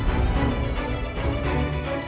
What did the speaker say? aku mau ke sana